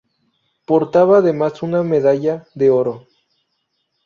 Portaba además una medalla de oro.